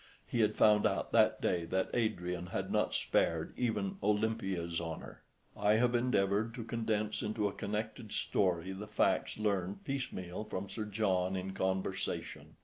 He had found out that day that Adrian had not spared even Olimpia's honour. I have endeavoured to condense into a connected story the facts learnt piecemeal from Sir John in conversation.